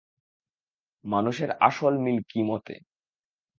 মানুষের আসল মিল কি মতে?